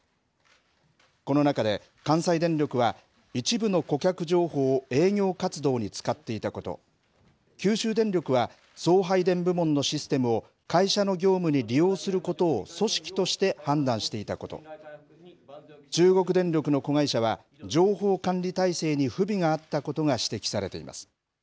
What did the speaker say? この中で関西電力は、一部の顧客情報を営業活動に使っていたこと、九州電力は、送配電部門のシステムを会社の業務に利用することを組織として判断していたこと、中国電力の子会社は、情報管理体制に不備があったことが指摘されています。